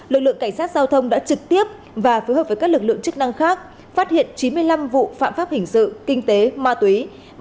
lực lượng cảnh sát giao thông đã trực tiếp và phối hợp với các lực lượng chức năng khác phát hiện chín mươi năm vụ phạm pháp hình sự kinh tế ma túy